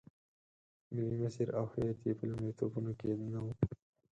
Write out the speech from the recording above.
ملي مسیر او هویت یې په لومړیتوبونو کې نه و.